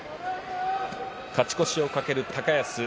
勝ち越しを懸ける高安。